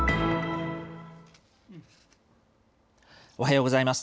おはようございます。